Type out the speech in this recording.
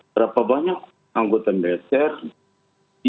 berapa banyak anggota militer yang melakukan tindakan tindakan yang sedang dihasilkan